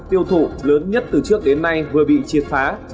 tiêu thụ lớn nhất từ trước đến nay vừa bị triệt phá